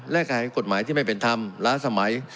และขายกฎหมายที่ไม่เป็นธรรมล้าสมัย